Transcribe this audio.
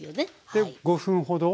で５分ほど。